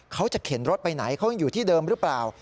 เขาจะเข็นรถไปไหนเขายังอยู่ที่เดิมหรือเปล่า